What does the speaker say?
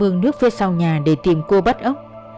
mưa nước phía sau nhà để tìm cua bắt ốc